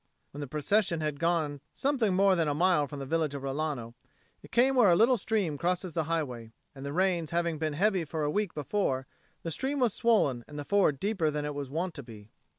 When the procession had gone something more than a mile from the village of Rilano, it came where a little stream crosses the highway; and the rains having been heavy for a week before, the stream was swollen and the ford deeper than it was wont to be.